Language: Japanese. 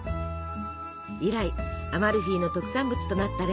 以来アマルフィの特産物となったレモン。